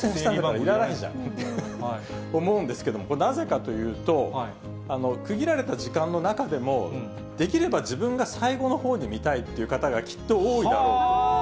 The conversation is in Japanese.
いらないじゃんと思うんですけれども、なぜかというと、区切られた時間の中でも、できれば自分が最後のほうに見たいっていう方がきっと多いだろう。